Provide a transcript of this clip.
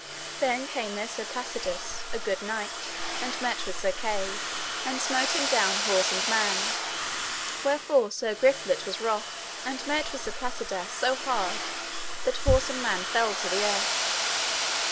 Then came there Sir Placidas, a good knight, and met with Sir Kay, and smote him down horse and man, where fore Sir Griflet was wroth, and met with Sir Placidas so hard, that horse and man fell to the earth.